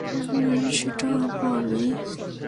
সেটা হবো আমি।